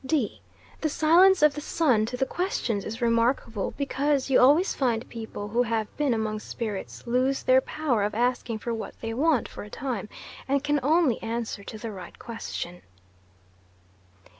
D. The silence of the son to the questions is remarkable, because you always find people who have been among spirits lose their power of asking for what they want, for a time, and can only answer to the right question.